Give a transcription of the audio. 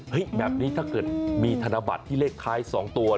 แบบนี้ถ้าเกิดมีธนบัตรที่เลขท้าย๒ตัว